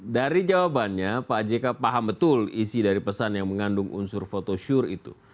dari jawabannya pak jk paham betul isi dari pesan yang mengandung unsur foto syur itu